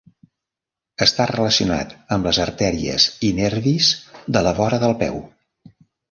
Està relacionat amb les artèries i nervis de la vora del peu.